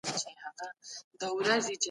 هنري بیان په زړونو کي ژور ځای پیدا کوي.